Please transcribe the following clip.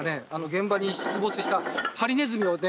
現場に出没したハリネズミをね